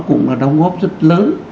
cũng là đóng góp rất lớn